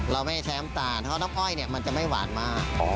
เราไม่ใช้น้ำตาลเพราะน้ำอ้อยเนี่ยมันจะไม่หวานมาก